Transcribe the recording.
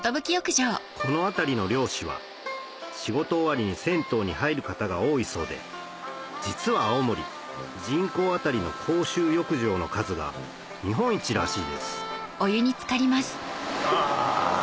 この辺りの漁師は仕事終わりに銭湯に入る方が多いそうで実は青森人口あたりの公衆浴場の数が日本一らしいですあ。